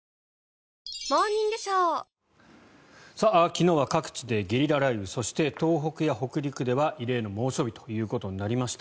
昨日は各地でゲリラ雷雨そして東北や北陸では異例の猛暑日となりました。